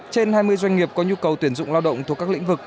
trên hai mươi doanh nghiệp có nhu cầu tuyển dụng lao động thuộc các lĩnh vực